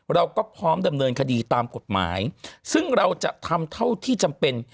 เราก็พร้อมดำเนินคดีตามกฎหมายซึ่งเราจะทำเท่าที่จำเป็น